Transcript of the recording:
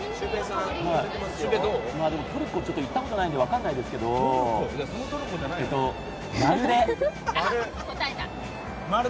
トルコ行ったことないから分からないですけど、〇で。